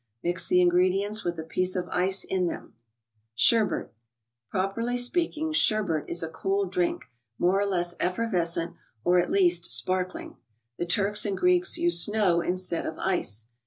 Mix the ingredients with a piece of ice in them. Properly speaking, " sherbet " is a cooled drink, more or less effervescent, or at least sparkling. The Turks and Greeks use snow instead of ice.